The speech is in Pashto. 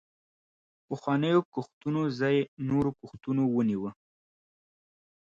پخوانیو کښتونو ځای نورو کښتونو ونیوه.